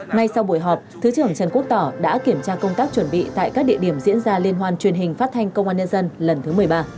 ngay sau buổi họp thứ trưởng trần quốc tỏ đã kiểm tra công tác chuẩn bị tại các địa điểm diễn ra liên hoan truyền hình phát thanh công an nhân dân lần thứ một mươi ba